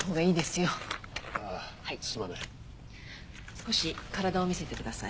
少し体を診せてください。